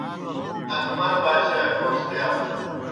اکبر باچھائے پوستِیان